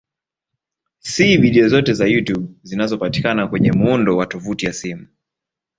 Si video zote za YouTube zinazopatikana kwenye muundo wa tovuti ya simu.